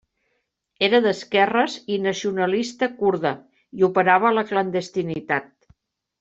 Era d'esquerres i nacionalista kurda i operava a la clandestinitat.